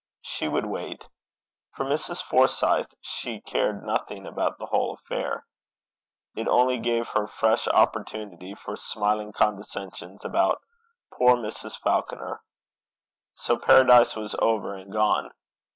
She would wait. For Mrs. Forsyth, she cared nothing about the whole affair. It only gave her fresh opportunity for smiling condescensions about 'poor Mrs. Falconer.' So Paradise was over and gone.